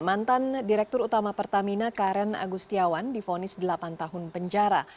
mantan direktur utama pertamina karen agustiawan difonis delapan tahun penjara